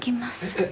えっ？